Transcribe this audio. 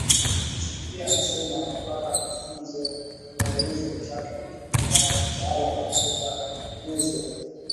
Safia anasema alipata mafunzo ya miezi mitatu kutoka kwa mtaalamu kutoka Indonesia